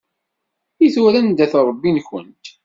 I tura anda-t Ṛebbi-nkent?